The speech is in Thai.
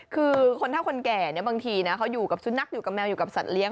คือถ้าคนแก่บางทีเขาอยู่กับสุนัขอยู่กับแมวอยู่กับสัตว์เลี้ยง